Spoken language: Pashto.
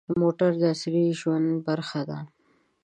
موټر د عصري ژوند برخه ده.